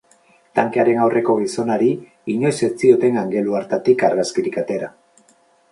Tankearen Aurreko Gizonari inoiz ez zioten angelu hartatik argazkirik atera.